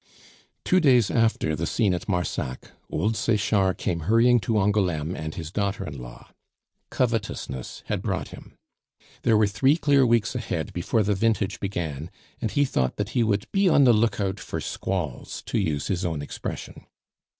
Two days after the scene at Marsac, old Sechard came hurrying to Angouleme and his daughter in law. Covetousness had brought him. There were three clear weeks ahead before the vintage began, and he thought he would be on the look out for squalls, to use his own expression.